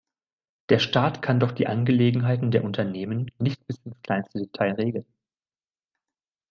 Der Staat kann doch die Angelegenheiten der Unternehmen nicht bis ins kleinste Detail regeln.